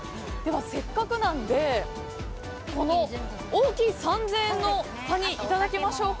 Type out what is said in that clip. せっかくなのでこの大きい３０００円のカニをいただきましょうか。